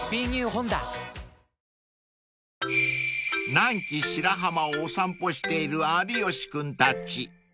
［南紀白浜をお散歩している有吉君たち］